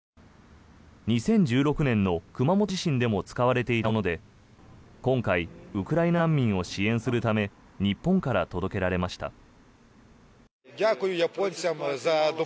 ２０１６年の熊本地震でも使われていたもので今回、ウクライナ難民を支援するため日本から届けられました。